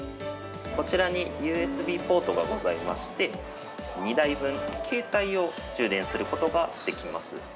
こちらにＵＳＢポートがございまして、２台分、携帯を充電することができます。